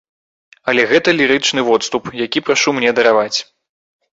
Але гэта лірычны водступ, які прашу мне дараваць.